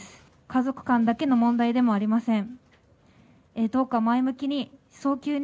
家族間だけの問題でもありません。